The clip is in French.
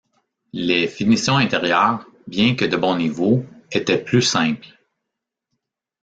Les finitions intérieures, bien que de bon niveau, étaient plus simples.